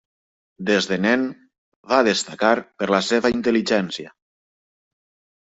Des de nen, va destacar per la seva intel·ligència.